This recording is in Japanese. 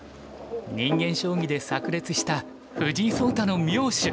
人間将棋でさく裂した藤井聡太の妙手。